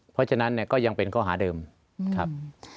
เพราะฉะนั้นเนี่ยก็ยังเป็นข้อหาเดิมครับ